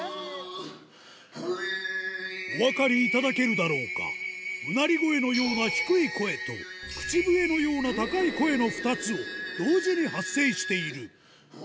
お分かりいただけるだろうかうなり声のような低い声と口笛のような高い声の２つを同時に発声している